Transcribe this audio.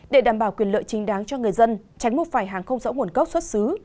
để đảm bảo quyền lợi chính đáng cho người dân tránh mua phải hàng không rõ nguồn gốc xuất xứ